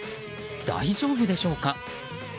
大丈夫でしょうか？